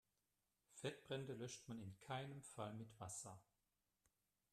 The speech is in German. Fettbrände löscht man in keinem Fall mit Wasser.